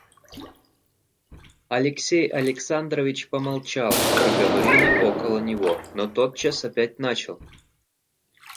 Алексей Александрович помолчал, пока говорили около него, но тотчас опять начал.